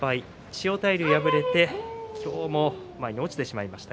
千代大龍に敗れて前に落ちてしまいました。